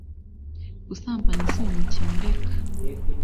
Gusambana si umukino reka